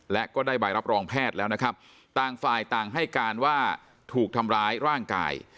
และก็ได้ใบรับรองแพทย์แล้วนะครับต่างฝ่ายต่างให้การว่าถูกทำร้ายร่างกาย